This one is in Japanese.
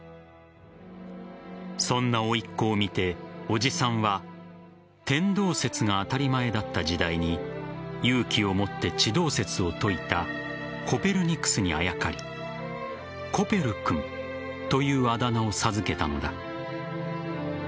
そんな甥っ子を見て叔父さんは天動説が当たり前だった時代に勇気を持って地動説を説いたコペルニクスにあやかりコペル君というあだ名を授けたのだ。